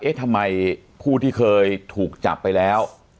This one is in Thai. ทำไมผู้ที่เคยถูกจับไปแล้ว